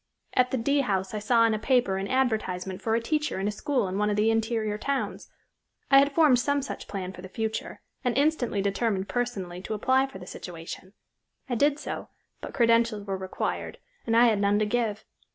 At the D—— House I saw in a paper an advertisement for a teacher in a school in one of the interior towns. I had formed some such plan for the future, and instantly determined personally to apply for the situation. I did so, but credentials were required, and I had none to give.